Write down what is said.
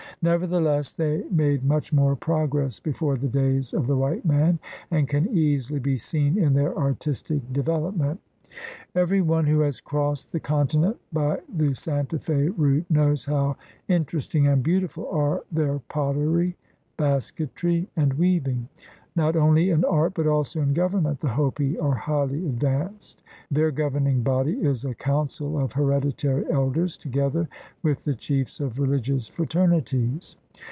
Nevertheless they made much more progress before the days of the white man, as can easily be seen in their artistic development. Every one who has crossed the continent by the Santa Fe route knows how inter esting and beautiful are their pottery, basketry. THE RED MAN IN AMERICA 147 and ^Yeaving. Not only in art but also in govern ment the Hopi are highly advanced. Their govern ing body is a council of hereditary elders together with the chiefs of rehgious fraternities.